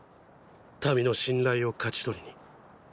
民の信頼を勝ち取りにーー。